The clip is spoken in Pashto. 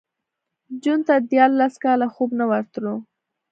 جون ته دیارلس کاله خوب نه ورتلو